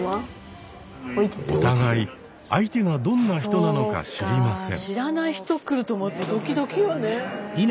お互い相手がどんな人なのか知りません。